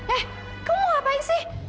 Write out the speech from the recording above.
eh kamu ngapain sih